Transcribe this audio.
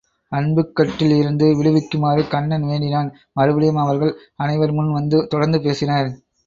அன்புக் கட்டில் இருந்து விடுவிக்குமாறு கண்ணன் வேண்டினான் மறுபடியும்அவர்கள் அனைவர் முன் வந்து தொடர்ந்து பேசினர்.